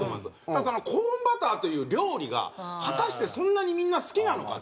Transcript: ただそのコーンバターという料理が果たしてそんなにみんな好きなのか？